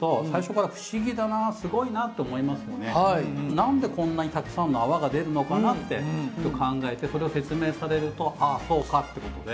なんでこんなにたくさんの泡が出るのかなって考えてそれを説明されると「ああそうか！」って事で。